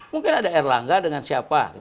mungkin ada erlangga dengan siapa